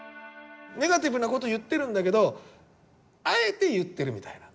ネガティブな事言ってるんだけどあえて言ってるみたいな。